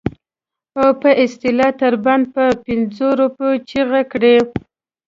او په اصطلاح تر بنده په پنځو روپو چیغه کړي.